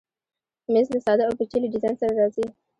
مېز له ساده او پیچلي ډیزاین سره راځي.